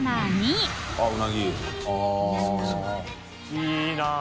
いいな！